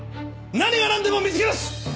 何がなんでも見つけ出す！